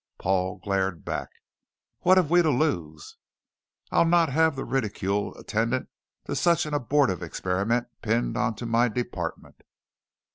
Paul glared back. "What have we to lose?" "I'll not have the ridicule attendant to such an abortive experiment pinned onto my department."